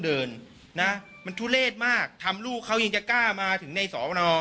เดินนะมันทุเลศมากทำลูกเขายังจะกล้ามาถึงในสวน